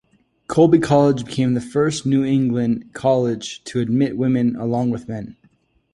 Colby College became the first New England college to admit women along with men.